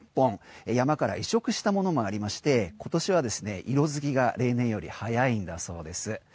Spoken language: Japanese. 山から移植したものもありまして今年は色づきが例年より早いんだそうです。